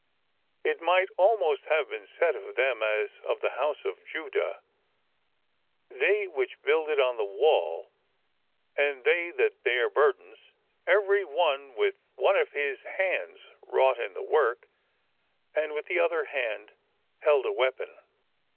It might almost have been said of them as of the house of Judah : They which builded on the wall, and they that bare burdens, ... every one with one of his hands wrought in the work, and with the other hand held a weapon.